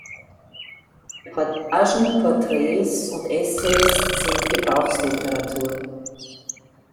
Reportagen, Porträts und Essays sind Gebrauchsliteratur.